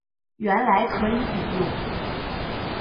原来可以抵用